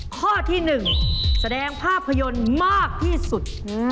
ข้อที่๑แสดงภาพยนตร์มากที่สุด